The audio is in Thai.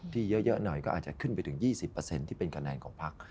ที่เยอะเยอะหน่อยก็อาจจะขึ้นไปถึงยี่สิบเปอร์เซ็นต์ที่เป็นคะแนนของพัก